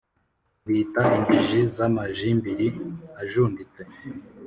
mbita « injiji z’amajimbiri ajunditse